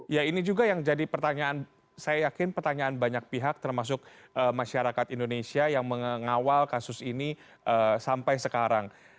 ya ini juga yang jadi pertanyaan saya yakin pertanyaan banyak pihak termasuk masyarakat indonesia yang mengawal kasus ini sampai sekarang